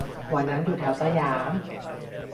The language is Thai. วันนั้นอยู่แถวสยาม